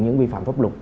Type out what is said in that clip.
những vi phạm pháp luật